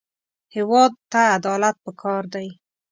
هېواد ته عدالت پکار دی